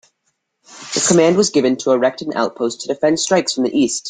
The command was given to erect an outpost to defend strikes from the east.